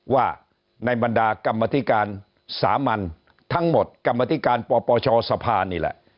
ว่าในบรรดากรรมธิการสามัญทั้งหมดกรรมธิการปปชสภานี่แหละ